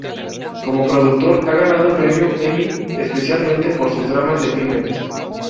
Como productor ha ganado el Premio Emmy, especialmente por sus dramas de crímenes.